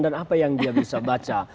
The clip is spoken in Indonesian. dan apa yang dia bisa baca